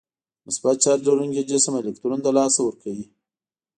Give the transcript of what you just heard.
د مثبت چارج لرونکی جسم الکترون له لاسه ورکوي.